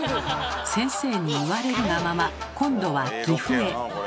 先生に言われるがまま今度は岐阜へ。